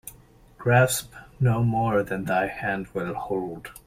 Grasp no more than thy hand will hold.